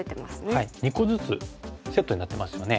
２個ずつセットになってますよね。